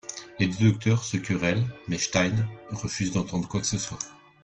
Les deux docteurs se querellent mais Stein refuse d'entendre quoi que ce soit.